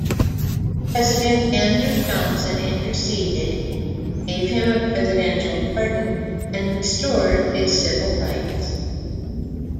President Andrew Johnson interceded, gave him a Presidential pardon, and restored his civil rights.